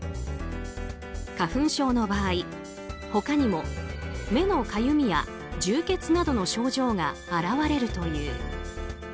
花粉症の場合、他にも目のかゆみや充血などの症状が現れるという。